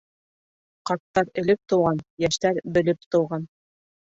Ҡарттар элек тыуған, йәштәр белеп тыуған.